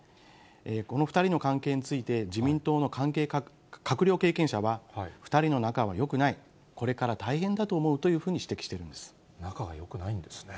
この２人の関係について、自民党の閣僚経験者は、２人の仲はよくない、これから大変だと思うというふうに指摘して仲はよくないんですね。